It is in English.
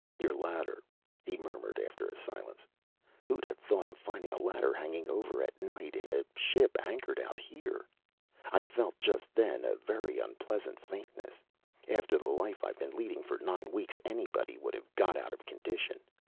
"Your ladder " he murmured, after a silence. "Who'd have thought of finding a ladder hanging over at night in a ship anchored out here! I felt just then a very unpleasant faintness. After the life I've been leading for nine weeks, anybody would have got out of condition.